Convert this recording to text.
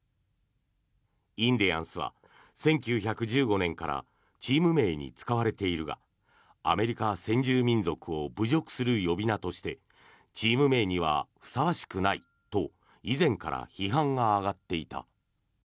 インディアンスは１９１５年からチーム名に使われているがアメリカ先住民族を侮辱する呼び名としてチーム名にはふさわしくないと以前から批判が上がっていた。